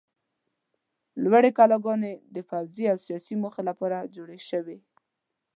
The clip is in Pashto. لوړې کلاګانې د پوځي او سیاسي موخو لپاره جوړې شوې.